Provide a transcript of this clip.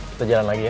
kita jalan lagi ya